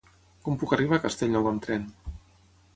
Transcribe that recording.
Com puc arribar a Castellnou amb tren?